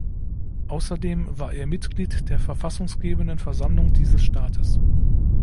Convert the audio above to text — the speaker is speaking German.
Außerdem war er Mitglied der verfassungsgebenden Versammlung dieses Staates.